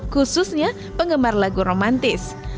khususnya penggemar lagu romantis